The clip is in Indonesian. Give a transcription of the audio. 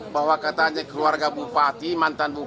bahwa katanya keluarga bupati yang lain mundur